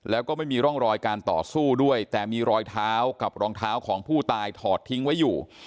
แล้วก็ไม่มีร่องรอยการต่อสู้ด้วยแต่มีรอยเท้ากับรองเท้าของผู้ตายถอดทิ้งไว้อยู่